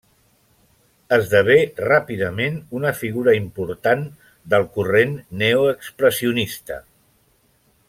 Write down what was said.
Esdevé ràpidament una figura important del corrent neoexpressionista.